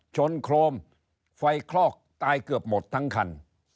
ชนโครมไฟคลอกตายเกือบหมดทั้งคัน